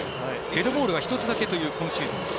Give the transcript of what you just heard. デッドボールが１つだけという今シーズンです。